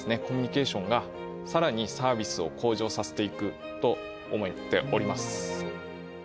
コミュニケーションがさらにサービスを向上させていくと思っております。